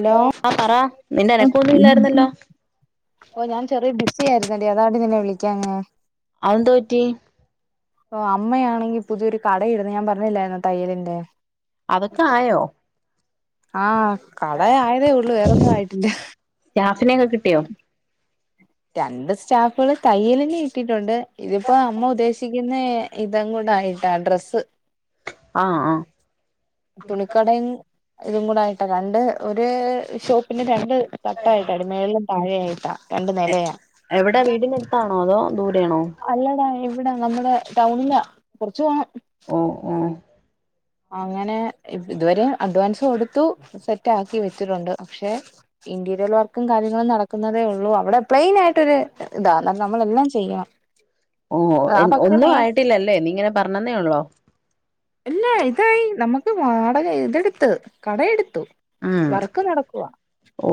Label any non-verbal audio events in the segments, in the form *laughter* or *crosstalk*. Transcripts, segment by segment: Hello ആഹ് പറ നിന്റെ അനക്കൊന്ന ഇല്ലായിര്ന്നല്ലോ? ഓ ഞാൻ ചെറിയെബിസി ആയിര്ന്നെടി അതാടി നിന്നെ വിളിക്കാഞ്. അതെന്തു പറ്റി ഓഹ് അമ്മയാണെങ്കി പുതിയൊരു കടയിട്ന്ന് ഞാൻ പറഞ്ഞില്ലായിര്ന്നൊ തയ്യലിന്റെ. അതൊക്ക ആയോ? ആഹ് കട ആയതേഒള്ളു വേറൊന്നും ആയ്ട്ടില്ല. സ്റ്റാഫിനെയൊക്കെ കിട്ടിയോ രണ്ട് സ്റ്റാഫുകളെ തയ്യലിന് കിട്ടിട്ടുണ്ട് ഇതിപ്പോ അമ്മ ഉദ്ദേശിക്കു ഇന്നേ ഇതങ്ങോട്ട് ആയിട്ടാ ഡ്രെസ്സ്. ആഹ് ആഹ് തുണിക്കടെം ഇതും കൂടൊയിട്ടാ രണ്ട് ഒര് ഷോപ്പിന് രണ്ട് തട്ടായ്ട്ടാ മേളിലും താഴായിട്ടാ. ഏഹ് എവിടൊ വീടിനെട്ത്താണോ അതോ ദൂരെയാണോ? അല്ലെടാ ഇവിടാ നമ്മുടെ ടൗണിലാ കൊർച് പോണം. ഓഹ്, ഓഹ് അങ്ങെനെ ഇതുവെരെ അഡ്വാൻസ് കൊടുത്തു സെറ്റ് ആക്കി വെച്ചിട്ടുണ്ട് പക്ഷെ ഇന്റീരിയെർ വർക്കും കാര്യങ്ങളും നടക്കുന്നതേ ഒള്ളൂ അവിടെ പ്ലെയിൻ ആയിട്ടൊര് ഇതാ ന്നം നമ്മളെല്ലാം ചെയ്യെണം. ഓഹോ എന്ന് ഒന്നും ആയിട്ടില്ലല്ലേ നീ ഇങ്ങെനെ പർഞ്ഞെന്നെ ഒളളു ഇല്ലാ ഇതായി നമ്മെക്ക് വാടക ഇതെട്ത്ത് കട എടുത്തു. ഉം വർക്ക് നടക്കുവാ. ഓ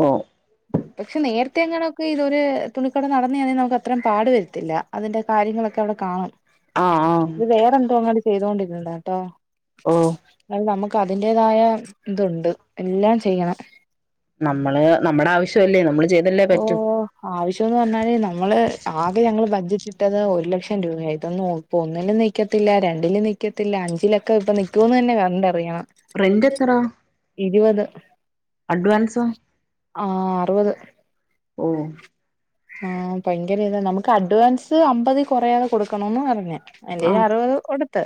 പക്ഷെ നേര്ത്തെ അങ്ങെനൊക്കെ ഇതൊരു തുണിക്കട നടന്നെണെങ്കിൽ നമുക്ക് അത്രം പാടു വർത്തില്ല അതിന്റെ കാര്യങ്ങളൊക്കെ അവിടെ കാണും. ആഹ് ഇത് വേറെ എന്തോ അങ്ങാട് ചെയ്തൊണ്ടിര്ന്നതാട്ടോ ഓ അത് നമ്മക്ക് അതിന്റെ ഇതായ ഇതുണ്ട് എല്ലാം ചെയ്യണം നമ്മള് നമ്മടെ ആവശ്യല്ലേ നമ്മള് ചെയ്തല്ലേ പറ്റൂ ഓഹ് ആവശോന്ന് പർഞ്ഞാല് ന്നമ്മെള് ആകെ ഞങ്ങള് ബജ്ജ് റ്റ് ഇട്ടെത് ഒര് ലെക്ഷം രൂപയ ഇതൊന്നും ഇപ്പ ഒന്നും ന്നിക്കത്തില്ല രണ്ടിലും ന്നിക്കത്തില്ല അഞ്ച് ക്ക ഇപ്പൊ നിക്കോ ന്നെഞ്ഞെ കണ്ടറിയെണം റെന്റ് എത്ര ഇരുവെത് അഡ്വാൻസോ അഡ്വാൻസൊ ആഹ് അറുവത് ഓ ആഹ് ഭയങ്കര ഇതാ നമുക്ക് അഡ്വാൻസ് അമ്പതിൽ കൊറയാതെ കൊടുക്കണോന്ന് പറഞ്ഞേ എന്റെല് ആഹ് അറുവത് കൊടുത്ത്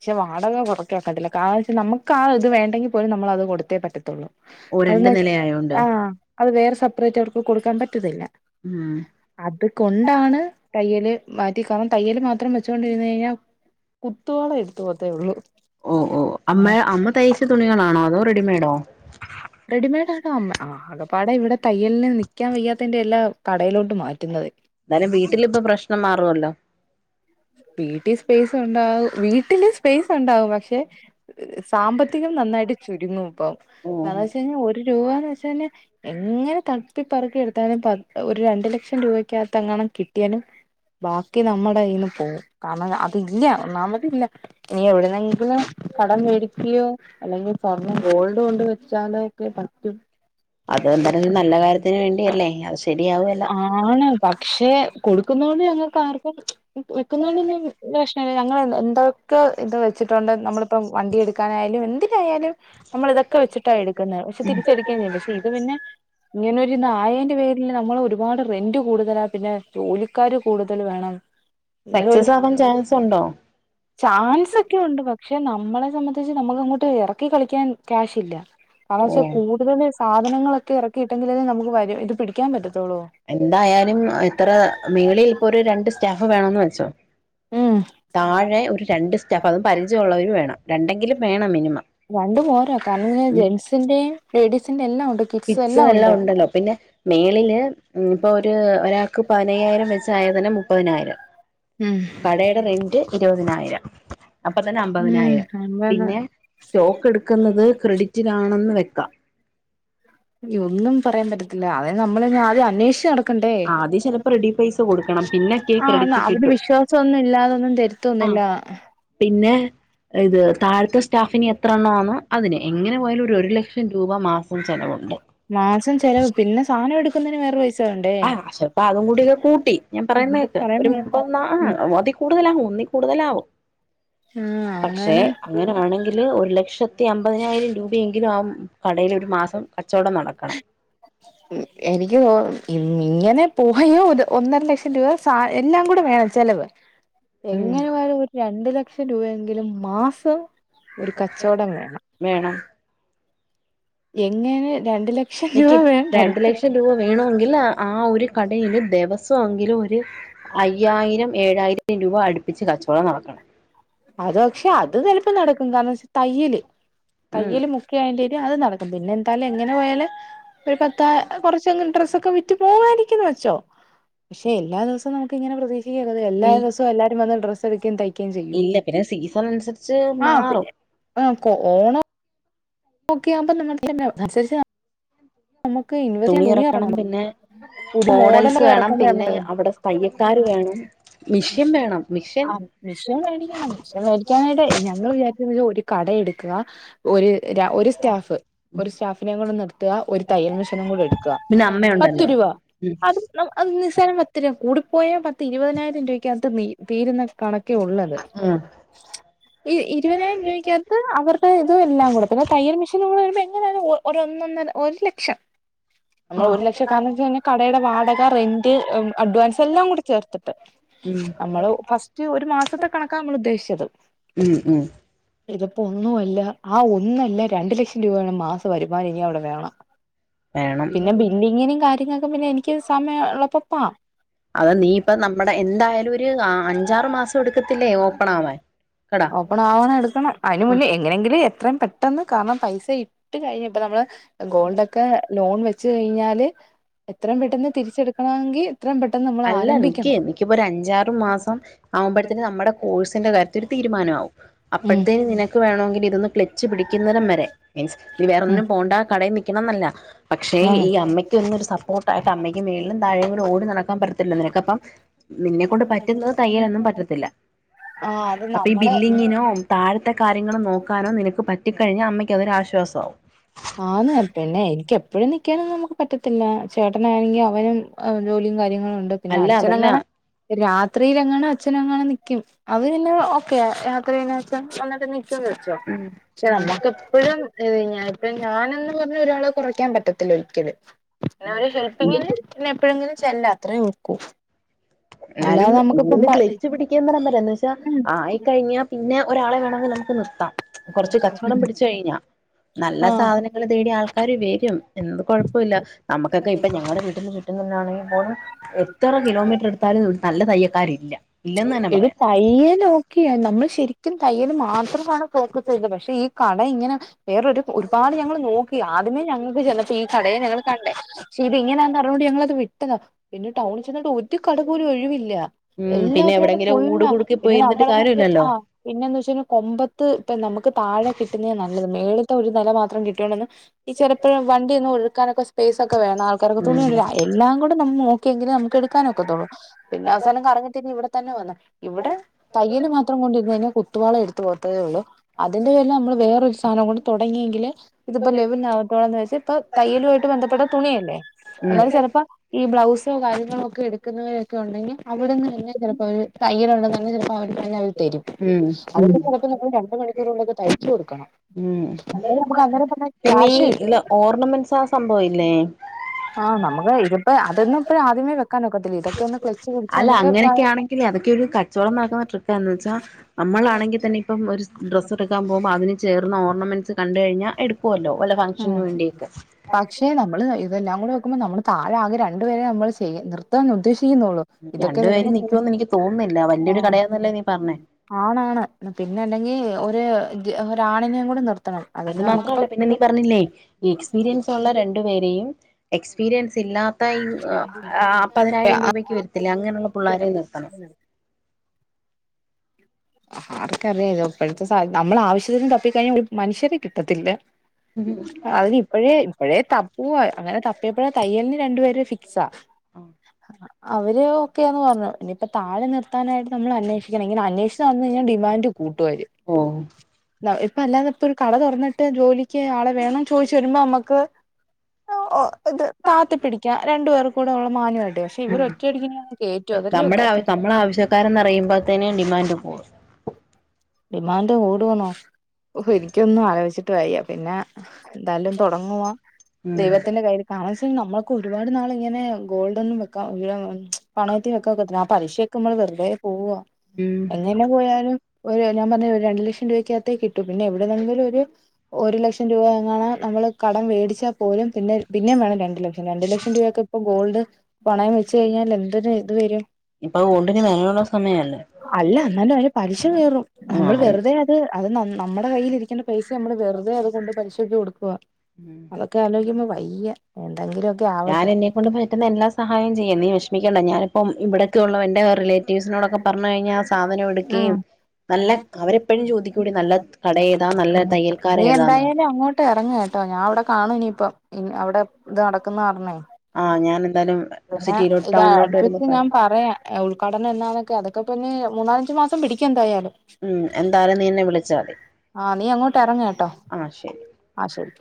പക്ഷെ വാടക കൊറക്കാക്കട്ടില്ല കാരണച്ചാ നമ്മുക്ക് ആ ഇത് വേണ്ടെങ്കി പോലും നമ്മളത് കൊടുത്തേ പറ്റത്തൊള്ളൂ ഓ രണ്ട് അതെന്നച്ചാ നിലയായോണ്ട് ആഹ് അത് വേറെ സപ്പ്റേറ്റ് അവർക്ക് കൊടുക്കാൻ പറ്റത്തില്ല ഉം അത് കൊണ്ടാണ് തയ്യല് മാറ്റിക്കണം തയ്യല് മാത്രം വെച്ചോണ്ടിര്ന്ന് കഴിഞ്ഞാ കുത്തോളം എട്ത്ത് പോവത്തെ ഒള്ളു ഒ ഓ അമ്മേ അമ്മ തയ്ച്ച തുണികളാണോ അതോ റെഡിമെയ്ഡോ റെഡിമെയഡ് ആക്ക അമ്മ ആഹ് ആകപാടെ ഇവിടെ തയ്യൽന് നിക്കാൻ വെയ്യാത്തേന്റെ എല്ലാ കടയിലോട്ട് മാറ്റുന്നത് ഇന്നാലും വീട്ടിലിപ്പ പ്രശ്നം മാറുവല്ലോ വീട്ടി സ്പേസ് ഉണ്ടാവും വീട്ടില് സ്പേസ് ഉണ്ടാവും പക്ഷെ സാമ്പത്തികം നന്നായിട്ട് ചുരുങ്ങും ഇപ്പം ഓ കാരണം വെച്ചഴിഞ്ഞാ ഒരു രൂപാന്ന് വെച്ചഴ്ഞ്ഞാ എങ്ങനെ തപ്പിപ്പറ്ക്കി എടുത്താലും പ ഒരു രണ്ടു ലക്ഷം രൂപയ്ക്കകത്ത് എങ്ങാണും കിട്ടിയാലും ബാക്കി നമ്മുടെകയ്യിന്ന് പോവും കാരണം അതില്ല ഒന്നാമതില്ല ഇനി എവിടെന്നെ ങ്കിലും കടം മേടിക്ക്യോ അല്ലെങ്കിൽ സ്വർണം ഗോൾഡ് കൊണ്ട് വെച്ചാലോ ഒക്കെ പറ്റും അത് എന്താലും ഒരു നല്ല കാര്യത്തിന് വേണ്ടിയല്ലേ ആവിശ് റെഡിയാവോയ് ആണ് പക്ഷെ കൊടുക്കുന്നോണ്ട് ഞങ്ങക്ക് ആർക്കും വെക്കുന്നോണ്ടൊന്നും ഒരു പ്രശ്നല്ല ഞങ്ങള് എ എന്തോ ക്കെ ഇത് വെച്ച്‌ട്ടുണ്ട് നമ്മള്പ്പം വണ്ടി എടുക്കാനായാലും എന്തിനായാലും നമ്മള് ഇതൊക്കെ വെച്ചിട്ടാ യെടുക്കുന്നേ പക്ഷെ തിരിചെടുക്കേം ചെയ്യും പക്ഷെ ഇത് പിന്നെ ഇങ്ങനെരു ന്നായെന്റെ പേരിൽ നമ്മളൊരുപാട് റെന്റ് കൂടുതലാ പിന്നെ ജോലിക്കാര് കൂടുതല് വേണം സക്സസ് ഇന്നാലൊരുസം ആവാൻ ചാൻസ് ഉണ്ടോ ചാൻസ് ഒക്കെ ഉണ്ട് പക്ഷെ നമ്മളെ സംബന്ധിച്ച് നമ്മക്ക് അങ്ങോട്ട് എറക്കി കളിക്കാൻ ക്യാഷ്ല്ല. ഓ ആവശ്യം കൂടുതല് സാധനങ്ങളൊക്കെ എറക്കിയിട്ടെങ്കിലേ നമുക്ക് വര ഇത് പിടിക്കാൻ പറ്റത്തൊള്ളൂ. എന്തായാലും ഇത്ര മേളിൽ ഇപ്പോ ഒരു രണ്ട് സ്റ്റാഫ് വേണോന്ന് വെച്ചോ ഉം താഴെ ഒരു രണ്ട് സ്റ്റാഫ് അതും പരിചയള്ളോവര് വേണം രണ്ടെങ്കിലും വേണം മിനിമം രണ്ടും പോരാ കാരണം ജെൻസിന്റെയും ലേഡീസിന്റെ എല്ലാം ഉണ്ട് കിഡ്സ് പിച്ചർ എല്ലാം ഉണ്ട് ഉണ്ടല്ലോ പിന്നെ മേളില് ഉം ഇപ്പോ ഒരു ഒരാൾക്ക് പതിനയ്യായിരം വെച്ച് ആയ തന്നെ മുപ്പതിനായിരം ഉം കടേടെ റെന്റ് ഇരുപതിനായിരം അപ്പ തന്നെ അമ്പതിനായിരം ഉം പിന്നെ സ്റ്റോക്ക് എടുക്കുന്നത് ക്രെഡിറ്റിനാണെന്ന് വെക്കാം അയ്യോ ഒന്നും പറയാൻ പറ്റത്തില്ല അതായത് നമ്മളന്നെ ആദ്യം അന്വേഷിച്ച് നട ക്കണ്ടേ ആദ്യം ചിലപ്പോ റെഡി പൈസ കൊടുക്കണം പിന്നൊക്കെ ആ ന്നാ ക്രെഡിറ്റ് അവര് കിട്ടും വിശ്വാസൊന്നും ഇല്ലാതൊന്നും തെര ആ ത്തൊന്നില്ല പിന്നെ ഇത് താഴത്തെ സ്റ്റാഫിന് എത്ര എണ്ണാന്നോ അതിന് എങ്ങനെ പോയാലും ഒരു ഒരു ലക്ഷം ലക്ഷം രൂപ മാസം ചെലവുണ്ട് മാസം ചെലവ് പിന്നെ സാനം എടുക്കുന്നേന് വേറെ പൈ ആഹ് ഷെപ്പാ അതും കൂടി ഒക്കെ കൂട്ടി ഞാൻ എന്നൊക്കെ പറയുന്നേക്ക് ഒരു പറയുന്ന മൂ അപ്പൊ ന്നാ അതി കൂടുതലാവും ഒന്നി കൂടുതലാവും ആഹ് പക്ഷെ അങ്ങനെ അങ്ങനെ ആണെങ്കില് ഒരു ലക്ഷത്തി അമ്പതിനായിരം രൂപയെങ്കിലും ആവും കടേലൊരു മാസം കച്ചോടം നടക്കണം *inaudible* എനിക്ക് തോ ഇ ഇങ്ങനെ പോയാ ഒര് ഒന്നര ലക്ഷം രൂപ സാ എല്ലാം കൂടെ വേണം ചെലവ് ഉം എങ്ങനെ പോയാലും ഒരു രണ്ട് ലക്ഷം രൂപയെങ്കിലും മാസം ഒരു കച്ചോടം വേണം വേണം എങ്ങനെ രണ്ട് ലക് വെയ്ക്കും രണ്ട് ലക്ഷം രൂപ വേണോ ങ്കില് ആ ആ ഒരു കടയില് ദെവസൊങ്കിലും ഒര് അയ്യായിരം ഏഴായിരം രൂപ അടുപ്പിച്ച് കച്ചവടം നടക്കണം അത് പക്ഷെ അത് ചെലപ്പം നടക്കും കാരണം വച്ച തയ്യല് ഉം തയ്യല് മുഖ്യ യേൻ്റെ പേരില് അത് നടക്കും എന്തായാലും എങ്ങനെ പോയാലും ഒരു പത്ത് കൊറച്ചങ്ങ് ഡ്രസ്സൊക്കെ വി റ്റ് പോവായിരിയ്ക്കുംന്ന് വെച്ചോ പക്ഷെ എല്ലാ ദിവസവും നമുക്ക് ഇങ്ങനെ പ്രതീക്ഷിക്കരുത് എല്ലാ ഈ ദിവസും സും എല്ലാരും വന്ന് ഡ്രസ്സ് എടുക്കേം തയ്ക്കും ചെയ്യോ ഇല്ല പിന്നെ സീസൺ അനുസരിച്ച് ആഹ് മാറും പിന്നെ ആഹ് കൊ ഓണം ഓക്കെ ആവുമ്പം നമുക്കെന്നെ മെസേജ് കാണും തുണി എറക്കണം ഇറക്കണം പിന്നെ പുതിയ മോഡൽസ് മോഡലൊക്കെ വേണം പിന്നെ ഇറക്കുന്ന അവടെ തയ്യക്കാര് വേണം മിഷ്യൻ വേണം മിഷ്യൻ ആഹ് മെഷീൻ വേടിക്കണം മെഷീൻ വേടിക്കാനായിട്ടാ ഞങ്ങള് വിചാരി ഒരു കട എടുക്കുക ഒര് ഒര് സ്റ്റാഫ് ഒരു സ്റ്റാഫിനേം കൂടെ നിർത്തുക ഒരു തയ്യൽ മിഷനും കൂടെ എടുക്ക പിന്നെ പത്ത് അമ്മയുണ്ടല്ലോ രൂപ ഉം അത് അത് നിസ്സാരം പത്ത് രൂപ കൂടിപ്പോയാ പത്ത് ഇപതിനായിരം രൂപയ്ക്കകത്ത് നി തീരുന്ന കണക്കെ ഉള്ളത് ഉം ഈ ഇരുപതിനായിരം രൂപയ്ക്കകത്ത് അവരുടെ ഇതും എല്ലാം കൂടെ പിന്നെ തയ്യൽ മെഷീനും കൂടെ വരുമ്പോ എങ്ങനെയാലും ഒ ഒരൊന്നൊന്നര ഒരു ലക്ഷം നമ്മൾ ഒരു ലക്ഷം കാരണം വെച്ചതെന്നെ കടയുടെ വാടക റെന്റ് അഡ്വാൻസ് എല്ലാം കൂടെ ചേർത്തിട്ട് ഉം നമ്മള് ഫസ്റ്റ് ഒരു മാസത്തെ കണക്കാണ് നമ്മൾ ഉദ്ദേശിച്ചത് ഉം ഉം ഇതിപ്പം ഒന്നുവല്ല ആ ഒന്നല്ല രണ്ടു ലക്ഷം രൂപയാണ് മാസം വരുമാനം ഇനി അവിടെ വേണം വേണം പിന്നെ ബില്ലിങ്ങിനും കാര്യങ്ങക്കൊക്കെ പിന്നെ എനിക്ക് സമയം ഉള്ളപ്പം പോവാ അത് നീ ഇപ്പം നമ്മുടെ എന്തായാലും ഒരു അഞ്ചാറ് മാസം എടുക്കത്തില്ലേ ഓപ്പൺ ആവാൻ കട ഒപ്പൺ ആവാൻ എടുക്കണം അയ്ന് ആ മുന്നേയ് എങ്ങനെങ്കിലും എത്രെം പെട്ടെന്ന് കാരണം പൈസ ഇട്ട് കഴിഞ്ഞ് ഇപ്പം നമ്മള് ഗോൾഡൊ ലോൺ വെച്ച് കഴിഞ്ഞാല് എത്രെം പെട്ടെന്ന് തിരിച്ചെടുക്കണമെങ്കി എത്രെം പെട്ടെന്ന് നമു അല്ല ഇൻക്കെ ഇൻയ്ക്കിപ്പം ഒരഞ്ചാറു മാസം ആവുമ്പഴ്‌ത്തിന് നമ്മുടെ കോഴ്സിന്റെ കാര്യ ത്തിന് ഒരു തീരുമാനാവും ഉം അപ്പഴത്തേന് നിനക്ക് വേണോങ്കില ഇതൊന്ന് ക്ലച്ച് പിടിക്കുന്നരം വരെ മിൻസ് നീ ഉം വേറൊന്നിനും പോണ്ട കടേ നി യ്ക്കണംന്നില്ല പക്ഷെ ആഹ് ഈ അമ്മയ്ക്ക് ഒന്നൊരു സപ്പോർട്ടായിട്ട് അമ്മയ്ക്ക് മേളിലും താഴേം കൂടി ഓടി നട ക്കാൻ പറ്റത്തില്ല നിനക്കപ്പം നിന്നെക്കൊണ്ട് പറ്റുന്നത് തയ്യലൊന്നും പറ്റത്തില്ല ആഹ് അത് അപ്പീ നമ്മള് ബില്ലിങ്ങിന് നും താഴത്തെ കാര്യങ്ങള് നോക്കാനും നിനക്ക് പറ്റിക്കഴിഞ്ഞ അമ്മയ്ക്ക് അതൊരാശ്വാസാവും ആന്ന് പിന്നെ എനിയ്ക്ക് എപ്പഴും നിയ്ക്കാനൊന്നും നമുക്ക് പറ്റത്തില്ല ചേട്ടനാണെങ്കി അവനും ജോലിയും കാര്യങ്ങളും ഉണ്ട് പിന്നെ അല്ല അതല്ല അച്ഛനെങ്ങാണ് രാത്രിയിലെങ്ങാണ് അച്ഛനെങ്ങാണ് നിക്ക്യും അത് പിന്നെ ഓക്കെ രാത്രി പിന്നെ അച്ഛൻ വന്നിട്ട് നിക്ക്യുന്നത് ച്ചോ ഉം പക്ഷെ നമ്മുക്ക് എപ്പഴും പിന്നെങ്ങനെ ഇപ്പം ഞാനെന്ന് പറഞ്ഞ ഒരാളെ കുറയ്ക്കാൻ പറ്റത്തില്ല ഒരിയ്ക്കലും പിന്നെ ആ ഒരു കേപ്പിങ്ങില് പിന്നെ എപ്പഴെങ്കിലും ചെല്ലാ അത്രേ ഒക്കൂ എന്നാലും അല്ലാതെ ഇതൊന്ന് നമുക്കിപ്പ ക്ലച്ച് പിടിയ്ക്കുന്നടം വരെ എന്ന് വെച്ചാ ആയിക്കഴിഞ്ഞാ പിന്നെ ഒരാളെ വേണമെങ്കി നമുക്ക് നിർത്താം കൊറച്ച് കച്ചവടം പിടിച്ചു കഴിഞ്ഞാ നല്ല ആഹ് സാധനങ്ങൾ തേടി ആൾ ക്കാര് വരും എന്നത് കൊഴപ്പൊല്ല നമുക്കൊക്കെ ഇപ്പം ഞങ്ങടെ വീട്ട്ന്ന് കിട്ടുന്നതിനാണെങ്കിപ്പോലും എത്ര കിലോമീറ്റർ എടു നല്ല തയ്യക്കാരില്ല ഇല്ലെന്ന് തന്നെ പറയാം തയ്യലോക്കെയാ നമ്മള് ശരിക്കും തയ്യല് മാത്രമാണ് ഫോക്കസ് ചെയ്തത് പക്ഷെ ഈ കട ഇങ്ങനെ വേറൊരു ഒരുപാട് ഞങ്ങള് നോക്കി ആദ്യമേ ഞങ്ങൾക്ക് ചെന്നപ്പം ഈ കടയാ ഞങ്ങൾ കണ്ടേ പക്ഷെ ഇങ്ങനെയാന്ന് അറിഞ്ഞതോണ്ട് ഞങ്ങളത് വിട്ടതാ പിന്നെ ടൗണിൽ ചെന്നിട്ട് ഒരു കട പോലും ഒഴിവില്ല ഉം പിന്നെ എല്ലാത്തിനകത്തും എവിടെങ്കിലും ഊട് ഫുള്ളാ കുടുക്കി പിന്നെ പോയിരുന്നിട്ട് നമ്മളെന്താട്ടാ കാര്യമില്ലല്ലോ ആ പിന്നെന്ന് വെച്ചാല് കൊമ്പത്ത് ഇപ്പം നമ്മക്ക് താഴെ കിട്ടുന്നേ നല്ലത് മേളിത്തെ ഒരു നെല മാത്രം കിട്ട്യോണ്ടൊന്നും ഈ ചെലപ്പഴെ വണ്ടി ഒന്നും ഒതുക്കാനൊക്കെ സ്പേസ് ഒക്ക വേണം ആൾക്കാരികൊക്കെ ഉം തുണിയെടു എല്ലാം കൂടി നമ്മൾ നോയെങ്കിലേ നമ്മക്ക് എടുക്കാൻ ഒക്കത്തൊള്ളൂ എടുക്കാനൊക്കെത്തൊള്ളൂ പിന്നെ അവസാനം കറങ്ങിതിരിഞ്ഞ് ഇവിടെ തന്നെ വന്നു ഇവ്ടെ തയ്യല് മാത്രം കൊണ്ടിരുന്നയ്ഞ്ഞാ കുത്തുപാള എടുത്തു പോകത്തേ ഉള്ളൂ അതിന്റെ പേരില് നമ്മള് വേറൊരു സാധനം കൂടി തൊടങ്ങിയെങ്കില് ഇതിപ്പോ ലെവലാവത്തോന്ന് വെച്ചാ ഇപ്പൊ തയ്യലുവായിട്ട് ബന്ധപ്പെട്ട തുണിയല്ലേ അന്നേരം ഉം ചെലപ്പോ ഈ ബ്ലൗസോ കാര്യങ്ങളോക്കെ എടുക്കുന്നവരൊക്കെ ഉണ്ടെങ്കി അവിടെന്ന് പിന്നെ ചിലപ്പോ അവര് തയ്യലുണ്ടെന്ന് പറഞ്ഞാ ചിലപ്പോ അവര് തന്നെ തരും ഉം *unintelligible* നമ്മള് രണ്ട് മണിക്കൂനുള്ളില് തയ്ച്ച കൊടുക്കണം ഉം *unintelligible* നമ്മുക്ക് അന്നേരം തന്നെ ക്യാഷ് കിട്ടും ടൂർണമെൻസ് ആ സംഭവില്ലേ ആ നമുക്ക് ഇതിപ്പോ അതോന്നും ഇപ്പോ ആദ്യമേ വെക്കാനോക്കത്തില്ല ഇത് അല്ല അങ്ങനെയൊക്കെ ആണെങ്കില് അതൊക്കെ ഒരു കച്ചവടം നടക്കുന്ന ട്രിക്കാ എന്ന് വെച്ചാ നമ്മളാണെങ്കിൽ തന്നെ ഇപ്പം ഒരു ഡ്രസ് എടുക്കാൻ പോകുമ്പോ അതിന് ചേർന്ന ഓർണമെന്റ്സ് കണ്ട് കഴിഞ്ഞാ എടുക്കും ക്കുവല്ലോ വല്ല ഉം ഫംഗ്ഷന് വേണ്ടിയൊക്കെ പക്ഷെ നമ്മള് ഇതെല്ലാം കൂടെ നോക്കുമ്പോൾ നമ്മള് താഴെ ആകെ രണ്ടുപേരെ നമ്മൾ ചെയ്യ നിർ ർത്താൻ ഉദ്ദേശിക്കുന്നൊള്ളൂ ഇതൊക്കെ രണ്ടു പേരും വരുമ്പോ നിക്കുവെന്ന് എനിക്ക് തോന്നുന്നില്ല വലിയൊരു കടയാന്നല്ലേ നീ പറഞ്ഞേ ആ ആണാണ് പിന്നെ ണ്ടെങ്കി ഒര് ഒരാണിനെയും കൂടി നിർത്തണം അത് അതിന് മാത്രല്ല നമുക്കിപ്പം പിന്നെ നീ പറഞ്ഞില്ലേ ഈ എക്സ്പീരിയൻസ് ഉള്ള രണ്ട് രണ്ട് പേരെയും എക്സ്പീരിയൻസ് ഇല്ലാത്ത *unintelligible* പതിനായിരം രൂപയ്ക്ക് വരത്തില്ലേ അങ്ങനെയുള്ള പുള്ളാരെ നിർത്തണം ആർക്കറിയാ ഇത് ഇപ്പഴ്ത്തെ സാ നമ്മൾ ആവശ്യത്തിന് തപ്പിക്കഴിഞ്ഞാ ഒരു മനുഷ്യരെ കിട്ടത്തില്ലാ അതിനിപ്പഴേ ഇപ്പഴേ തപ്പുവാ അങ്ങനെ തപ്പിയെപ്പെഴാ തയ്യലിന് രണ്ടുപേരെ ഫിക്സാ ആഹ് ആഹ് അവര് ഒക്കെയാന്ന് പറഞ്ഞു ഇനിയിപ്പോ താഴെ നിർത്താനായിട്ട് നമ്മൾ അന്വേഷി ഇങ്ങനെ ഇങ്ങനെ അന്വോഷിച്ച് നടന്ന് കഴിഞ്ഞാ ഡിമാൻ്റ് കൂട്ടും അവര് ഓഹ് ന ഇപ്പൊ അല്ലാതെ ഇപ്പൊ ഒരു കട തൊറന്നിട്ട് ജോലിക്ക് ആളെ വേണോന്ന് ചോദിച്ചു വരുമ്പോ നമ്മക്ക് ഓ ഇത് താത്തി പിടിക്കാ രണ്ടു പേർക്കൂടെ ഒള്ളെ മാന്യമായിട്ട് പക്ഷെ ഇവർ ഒറ്റയടിക്കിങ്ങനെ കേറ്റുവാ അതല്ലിയോ നമ്മടെ ആവി നമ്മളാവിശ്യം ക്കാരെന്ന് അറിയുമ്പഴ്ത്തേന് ഡിമാൻഡ് പോവും ഡിമാൻ്റ് കൂടുവോന്നോ ഓഹ് എനിക്കൊന്നും ആലോചിച്ചിട്ട് വയ്യാ പിന്നെ എന്തായാലും തൊടങ്ങുവാ ഉം ദൈവത്തിന്റെ കൈയ്യില് കാരണവശാൽ നമ്മക്ക് ഒരുപാട് നാളൊന്നും ഇങ്ങനെ ഗോൾഡൊന്നും വെക്കാ *unintelligible* പണയത്തിന് വെക്കാ ഒക്കത്തില്ലാ ആ പലിശയൊക്കെ നമ്മള് വെറുതെ പോവാ ഉം എങ്ങനെ പോയാലും ഒരു ഞാൻ പറഞ്ഞ ഒരു രണ്ടു ലക്ഷം രൂപയ്ക്കകത്തേ കിട്ടൂ പിന്നെ എവിടുന്നെങ്കിലും ഒരു ഒരു ലക്ഷം രൂപ എങ്ങാണം നമ്മള് കടം വേടിച്ചാ പോലും പിന്നെ പിന്നേം വേണം രണ്ടു ലക്ഷം രണ്ടു ലക്ഷം രൂപയൊക്കെ ഇപ്പൊ ഗോൾഡ് പണയം വെച്ച് കഴിഞ്ഞാൽ എന്തൊരു ഇത് വെരും ഇപ്പ ഗോൾഡിന് ന അല്ലാ എന്നാലും അയിന് പലിശ കേറും നമ്മള് ആന്ന് വെറുതെ അത് ത് അത് നമ് നമ്മടെ കയ്യിലിരിക്കെണ്ടെ പൈസയാ നമ്മള് വെറുതെ അത് കൊണ്ട് പലിശയ്ക്ക് കൊടുക്കുവാ ഉം അതൊക്കെ ആലോയിക്കുമ്പോ വയ്യാ ഏന്തെങ്കിലും ഒക്കെ ഞാൻ എന്നെക്കൊണ്ട് പറ്റുന്ന എല്ലാ സഹായോം ചെയ്യും നീ വെഷമിക്കെണ്ടാ ഞാനിപ്പം ഇവിടെക്കെയൊള്ള എന്റെ റിലേ റ്റീവ്സിനോടൊക്കെ പറഞ്ഞ് കഴിഞ്ഞാ സാധനം ആഹ് എടുക്കെയും കട ഏതാ നല്ല തയ്യൽക്കാര നീ ഏതാന്ന് എന്തായാലും അങ്ങോട്ട് ട്ടെറങ്ങ് കേട്ടോ ഞാൻ അവിടെ കാണും ഇനിയിപ്പം ഉം അവിടെ ഇത് നടക്കുന്ന കാരണെ ആഹ് ഞാൻ എന്തായാലും പിന്നെ സിറ്റിയിലോട്ട് ടൗണിലോട്ട് വരുമ്പോ ഇതടുപ്പിച്ച് ഞാൻ പറയാം ഏഹ് ഉൽഘാടനം എന്നാന്നൊക്കെ അതൊക്കെ ഇപ്പം എനി മൂന്നാലഞ്ചു മാസം പിടിക്കും എന്തായാലും. ഉം എന്തായാലും നീ എന്നെ വിളിച്ചാ മതി ആഹ് നീ അങ്ങോട്ട് എറങ്ങ് കേട്ടോ ആഹ് ശരി ആഹ് ശെരി